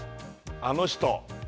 あの人